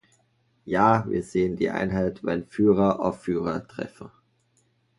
Ja, wir sehen die Einheit, wenn Führer auf Führer treffen.